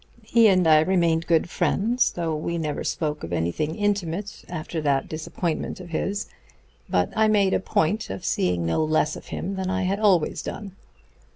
He and I remained good friends, though we never spoke of anything intimate after that disappointment of his; but I made a point of seeing no less of him than I had always done.